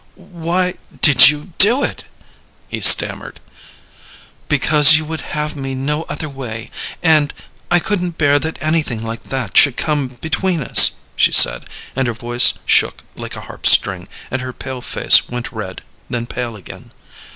"Why did you do it?" he stammered. "Because you would have me no other way, and I couldn't bear that anything like that should come between us," she said, and her voice shook like a harp string, and her pale face went red, then pale again.